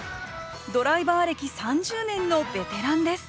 ドライバー歴３０年のベテランです